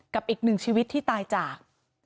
กับอีก๑ชีวิตที่ตายจาก